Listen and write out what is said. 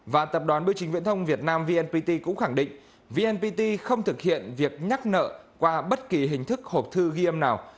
và tập đoàn bưu chính viễn thông việt nam vnpt cũng khẳng định vnpt không thực hiện việc nhắc nợ qua bất kỳ hình thức hộp thư ghi âm nào